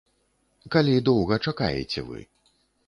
Калі доўга чакаеце вы.